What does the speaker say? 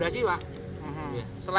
selain ini pohon apa saja pak